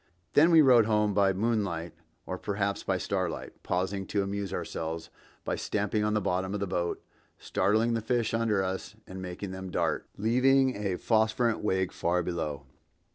Then we rowed home by moonlight or perhaps by starlight, pausing to amuse ourselves by stamping on the bottom of the boat, startling the fish under us and making them dart, leaving a phosphorescent wake far below.